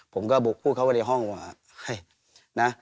ผมก็บุกพูดเขาไว้ในห้องว่า